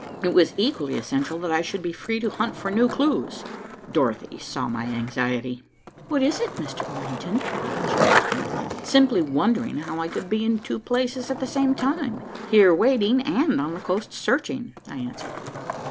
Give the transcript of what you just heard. It was equally essential that I should be free to hunt for new clues. Dorothy saw my anxiety. "What is it, Mr. Orrington?" she questioned. "Simply wondering how I could be in two places at the same time here waiting and on the coast searching," I answered.